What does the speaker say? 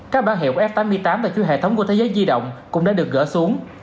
các báo hiệu f tám mươi tám và chứa hệ thống của thế giới di động cũng đã được gỡ xuống